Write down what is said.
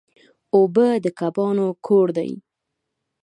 اوبه د کبانو کور دی.